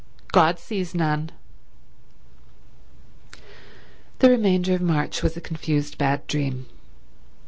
God sees none." The remainder of March was a confused bad dream.